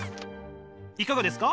いかがですか？